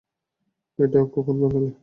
এটা কখন বানালে?